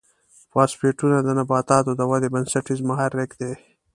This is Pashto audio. فاسفیټونه د نباتاتو د ودې بنسټیز محرک دی.